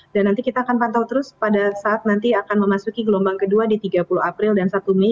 dan nanti kita akan pantau terus pada saat nanti akan memasuki gelombang kedua di tiga puluh april dan satu mei